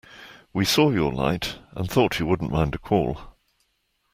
We saw your light, and thought you wouldn't mind a call.